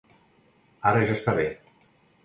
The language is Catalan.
Ara ja està bé.